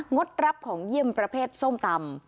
ดรับของเยี่ยมประเภทส้มตำ